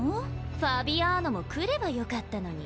ファビアーノも来ればよかったのに。